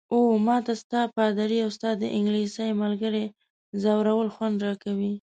اوه، ما ته ستا، پادري او ستا د انګلیسۍ ملګرې ځورول خوند راکوي.